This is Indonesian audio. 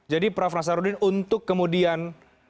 prof nasarudin untuk kemudian